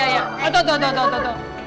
ayo tuh tuh tuh tuh